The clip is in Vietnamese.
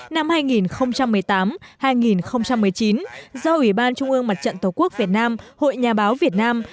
năm hai nghìn một mươi tám hai nghìn một mươi chín do ủy ban trung ương mặt trận tổ quốc việt nam hội nhà báo việt nam